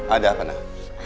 ada apa nel